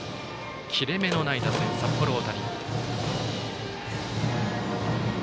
切れ目のない打線、札幌大谷。